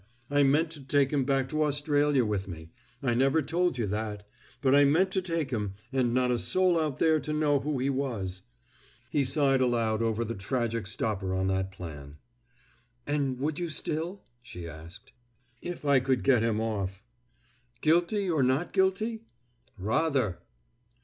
I meant to take him back to Australia with me I never told you that but I meant to take him, and not a soul out there to know who he was." He sighed aloud over the tragic stopper on that plan. "And would you still?" she asked. "If I could get him off." "Guilty or not guilty?" "Rather!"